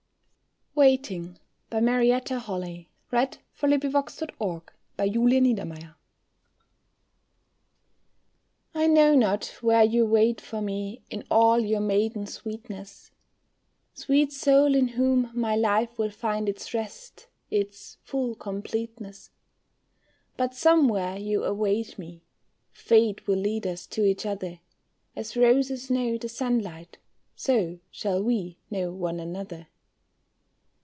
ut the frosty pane is impressed with the shadow of coming wings. WAITING. I know not where you wait for me in all your maiden sweetness, Sweet soul in whom my life will find its rest, its full completeness; But somewhere you await me, Fate will lead us to each other, As roses know the sunlight, so shall we know one another.